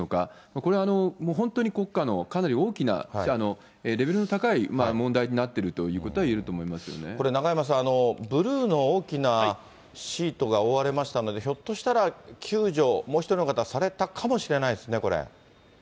これは本当に国家のかなり大きなレベルの高い問題になってるといこれ、中山さん、ブルーの大きなシートが覆われましたので、ひょっとしたら救助、もう１人の方、されたかもしれないですね、これ。